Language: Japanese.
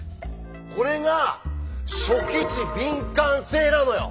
これが初期値敏感性なのよ！